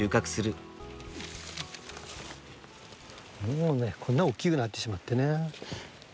もうねこんなおっきくなってしまってね。